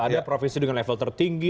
ada provinsi dengan level tertinggi